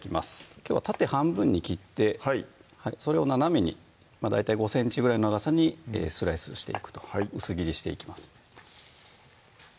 きょうは縦半分に切ってそれを斜めに大体５ｃｍぐらいの長さにスライスしていくと薄切りしていきます